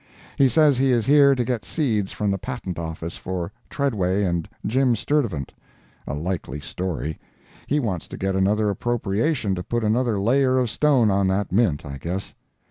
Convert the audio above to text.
He says he is here to get seeds from the Patent Office for Tredway and Jim Sturtevant. A likely story. He wants to get another appropriation to put another layer of stone on that Mint, I guess.